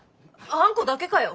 あんこだけかよ！